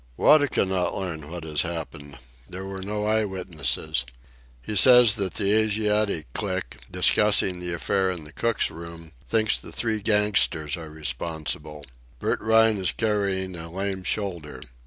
Wada cannot learn what has happened. There were no eye witnesses. He says that the Asiatic clique, discussing the affair in the cook's room, thinks the three gangsters are responsible. Bert Rhine is carrying a lame shoulder.